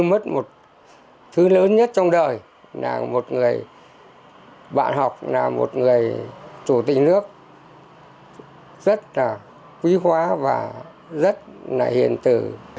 mất một thứ lớn nhất trong đời là một người bạn học là một người chủ tịch nước rất là quý hóa và rất là hiền tử